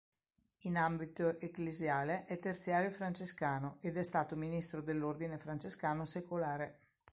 In ambito ecclesiale, è terziario francescano, ed è stato Ministro dell'Ordine Francescano Secolare.